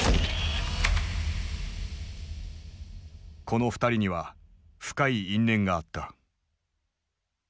この２人には深い因縁があった。